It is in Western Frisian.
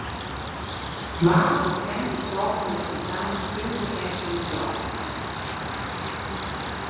Wa werkent it folgjende sitaat, suver ek in gjalp?